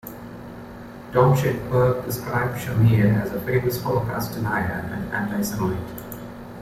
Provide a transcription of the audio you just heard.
Domscheit-Berg described Shamir as a famous Holocaust denier and anti-Semite.